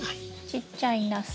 ちっちゃいナス。